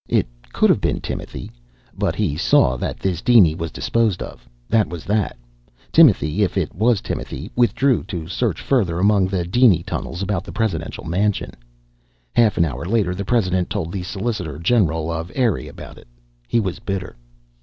It could have been Timothy. But he saw that this diny was disposed of. That was that. Timothy if it was Timothy withdrew to search further among diny tunnels about the presidential mansion. Half an hour later the president told the solicitor general of Eire about it. He was bitter.